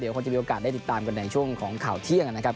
คงจะมีโอกาสได้ติดตามกันในช่วงของข่าวเที่ยงนะครับ